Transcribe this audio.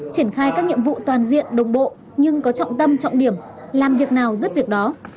triển khai các nhiệm vụ toàn diện đồng bộ nhưng có trọng tâm trọng điểm làm việc nào dứt việc đó